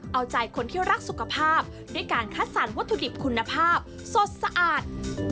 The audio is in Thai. เอาใจคนที่รักสุขภาพด้วยการคัดสรรวัตถุดิบคุณภาพสดสะอาด